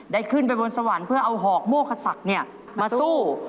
ได้ขึ้นไปบนสวรรค์เพื่อเอาหอกโมคศักดิ์มาสู้